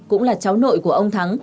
cũng là cháu nội của ông thắng